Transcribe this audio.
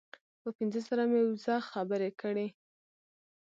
په پنځه زره مې وزه خبرې کړې.